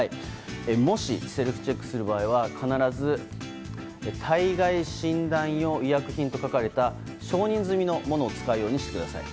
もしセルフチェックする場合は必ず体外診断用医薬品と書かれた承認済みのものを使うようにしてください。